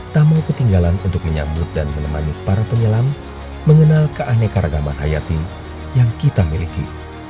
tak mau ketinggalan untuk menyambut dan menemani para penyelam mengenal keanekaragaman hayati yang kita miliki